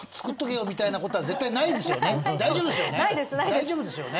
大丈夫ですよね？